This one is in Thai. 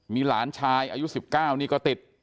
มีหลานชายอายุ๑๙นี่ก็ติด